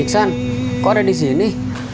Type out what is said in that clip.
iksan kok ada di sini